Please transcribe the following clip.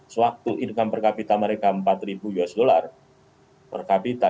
sewaktu income per capita mereka empat usd per capita